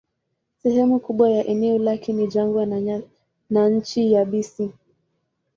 Sehemu kubwa ya eneo lake ni jangwa na nchi yabisi.